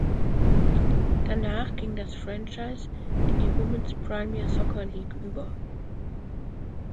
Danach ging das Franchise in die Women’s Premier Soccer League über.